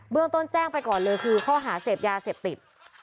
เรื่องต้นแจ้งไปก่อนเลยคือข้อหาเสพยาเสพติด